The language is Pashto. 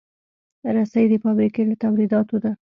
رسۍ د فابریکې له تولیداتو ده.